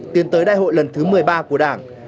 tiến tới đại hội lần thứ một mươi ba của đảng